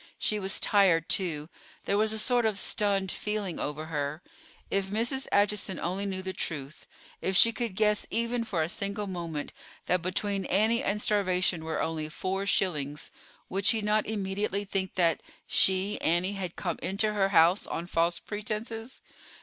She was tired too; there was a sort of stunned feeling over her. If Mrs. Acheson only knew the truth, if she could guess even for a single moment that between Annie and starvation were only four shillings, would she not immediately think that she, Annie, had come into her house on false pretenses.